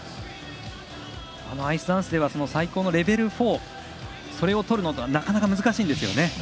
アイスダンスでは最高のレベル４それを取るのはなかなか難しいんですよね。